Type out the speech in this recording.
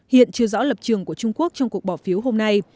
hiện chưa rõ lập trường của trung quốc trong cuộc bỏ phiếu hôm nay